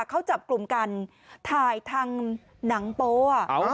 เขาจับกลุ่มกันถ่ายทางหนังโป๊ะ